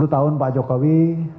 sepuluh tahun pak jokowi